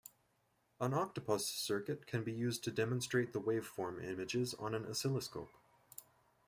An octopus circuit can be used to demonstrate the waveform images on an oscilloscope.